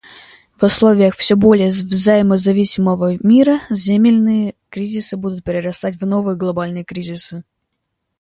В условиях всё более взаимозависимого мира земельные кризисы будут перерастать в новые глобальные кризисы.